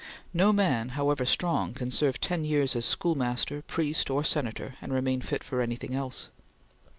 No man, however strong, can serve ten years as schoolmaster, priest, or Senator, and remain fit for anything else.